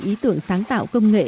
ý tưởng sáng tạo công nghệ